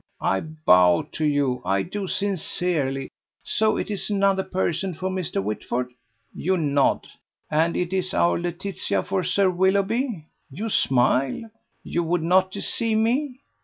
I bow to you. I do sincerely. So it's another person for Mr. Whitford? You nod. And it is our Laetitia for Sir Willoughby? You smile. You would not deceive me?